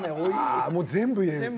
あもう全部入れる。